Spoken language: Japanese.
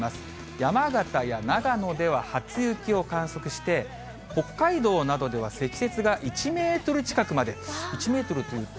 山形や長野では初雪を観測して、北海道などでは積雪が１メートル近くまで、１メートルというと。